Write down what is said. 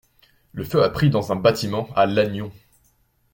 Le feu a pris dans un bâtiment à Lannion.